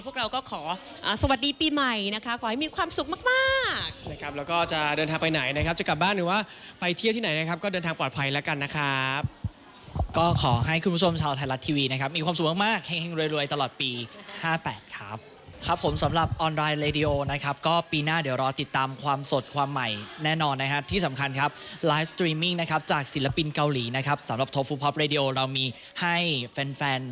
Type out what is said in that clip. ครับจากศิลปินเกาหลีนะครับสำหรับตาฟูป๊อประยโยเรามีให้แฟน